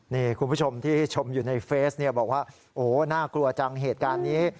นี่คุณผู้ชมที่ชมอยู่ในเฟซเนี่ยบอกว่าโอ้โหน่ากลัวจังเหตุการณ์นี้